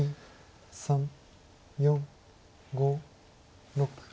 ３４５６。